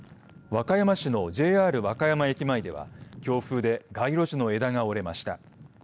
和歌山市のＪＲ和歌山駅前では強風で街路樹の枝が折れました。